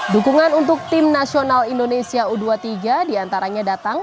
dukungan untuk tim nasional indonesia u dua puluh tiga diantaranya datang